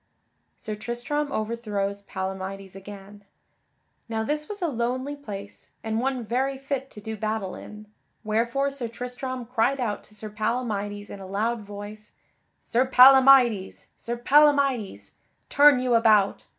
[Sidenote: Sir Tristram overthrows Palamydes again] Now this was a lonely place, and one very fit to do battle in, wherefore Sir Tristram cried out to Sir Palamydes in a loud voice: "Sir Palamydes! Sir Palamydes! Turn you about!